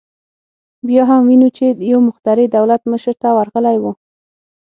بیا هم وینو چې یو مخترع دولت مشر ته ورغلی و